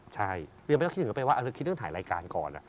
ใช่ยังไม่คิดถึงนั้นว่าในวิทยาลัยการมาก่อน